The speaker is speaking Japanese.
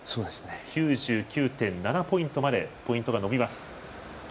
９９．７ポイントまでポイントが伸びます。